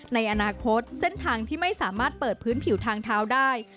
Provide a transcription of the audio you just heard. ในอนาคตเส้นทางที่ไม่สามารถเปิดพื้นผิวทางเท้าได้